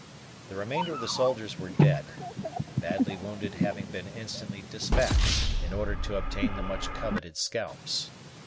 The remainder of the soldiers were dead, the badly wounded having been instantly despatched in order to obtain the much coveted scalps.